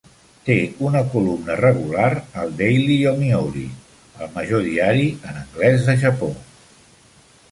Té una columna regular al Daily Yomiuri, el major diari en anglès de Japó.